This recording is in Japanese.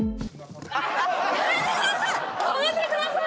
やめてください！